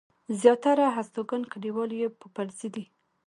زياتره هستوګن کلیوال يې پوپلزي دي.